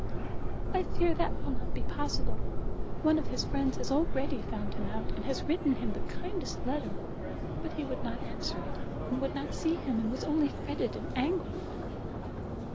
"I fear that will not be possible. One of his friends has already found him out, and has written him the kindest letter! but he would not answer it, and would not see him, and was only fretted and angry."